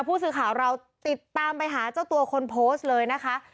ผู้สื่อข่าวเราติดตามไปหาเจ้าตัวคนโพสต์เลยนะคะ